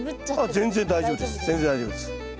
全然大丈夫です。